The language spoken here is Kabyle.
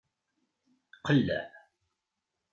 Qelleɛ.